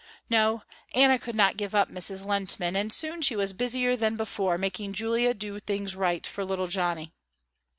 No, Anna could not give up Mrs. Lehntman, and soon she was busier than before making Julia do things right for little Johnny.